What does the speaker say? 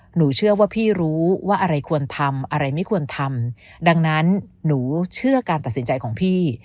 หนูเชื่อว่าพี่รู้ว่าอะไรควรทำอะไรไม่ควรทำดังนั้นหนูเชื่อการตัดสินใจของพี่